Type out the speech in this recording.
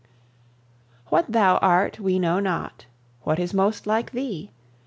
What thou art we know not; What is most like thee?